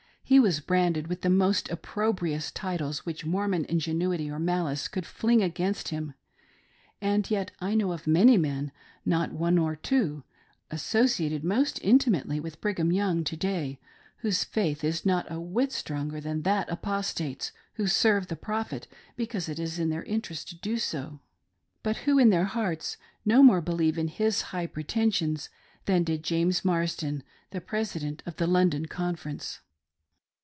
He was branded with the most opprobrious titles which Mormon ingenuity or malice could fling against him :— and yet I know of many men — not one nor two — associated most intimately with Brigham Young, to day, whose faith is not a whit stronger than that apostate's, who serve the Prophet because it is their interest to do so, biit'who in their hearts ho more believe in his high preten sions than did James Marsden, the President of the London Conference. l62 "our little MINNIE."